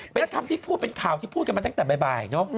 เป็นคำที่พูดเป็นข่าวที่พูดกันมาตั้งแต่บ่ายเนอะ